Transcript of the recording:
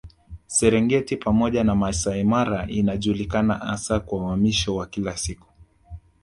Serengeti pamoja na Masai Mara inajulikana hasa kwa uhamisho wa kila siku